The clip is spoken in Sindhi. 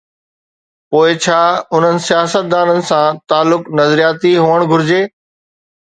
پوءِ ڇا انهن سياستدانن سان تعلق نظرياتي هئڻ گهرجي؟